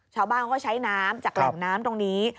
ชาวบ้านเขาก็ใช้น้ำจากแหล่งน้ำตรงนี้